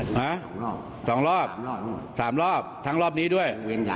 ฮะรอบ๒รอบ๓รอบทั้งรอบนี้ด้วย